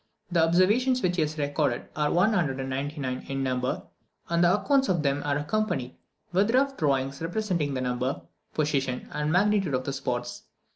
The observations which he has recorded are 199 in number, and the accounts of them are accompanied with rough drawings representing the number, position, and magnitude of the spots.